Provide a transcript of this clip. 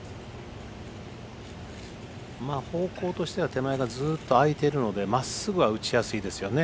方向としては手前がずっと空いてるのでまっすぐは打ちやすいですよね。